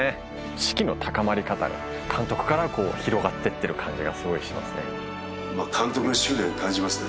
士気の高まり方が監督から広がってってる感じがすごいしますね監督の執念感じますね